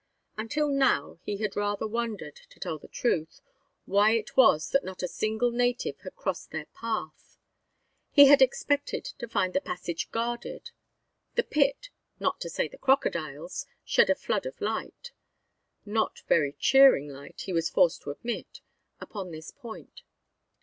Until now he had rather wondered, to tell the truth, why it was that not a single native had crossed their path. He had expected to find the passage guarded. The pit, not to say the crocodiles, shed a flood of light not very cheering light, he was forced to admit upon this point.